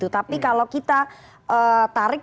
tapi kalau kita tarik